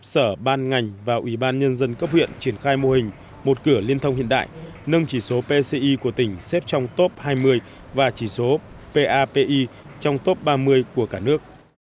sở ban ngành và ủy ban nhân dân cấp huyện triển khai mô hình một cửa liên thông hiện đại nâng chỉ số pci của tỉnh xếp trong top hai mươi và chỉ số papi trong top ba mươi của cả nước